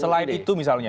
selain itu misalnya